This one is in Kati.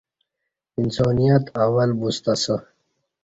انسانیت اول بوستہ اسہ